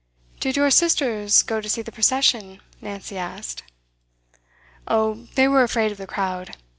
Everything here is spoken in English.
'Did your sisters go to see the procession?' Nancy asked. 'Oh, they were afraid of the crowd.